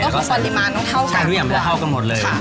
แล้วก็สั่งทุกอย่างไปเท่ากันหมดเลย